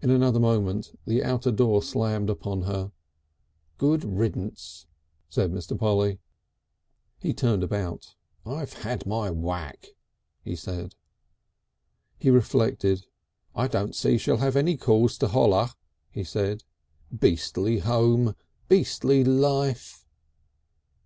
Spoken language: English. In another moment the outer door slammed upon her. "Good riddance!" said Mr. Polly. He turned about. "I've had my whack," he said. He reflected. "I don't see she'll have any cause to holler," he said. "Beastly Home! Beastly Life!"